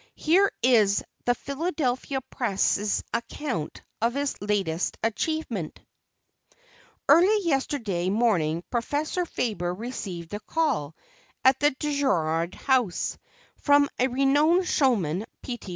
Here is The Philadelphia Press's account of his latest achievement: "Early yesterday morning Prof. Faber received a call, at the Girard House, from the renowned showman, P. T.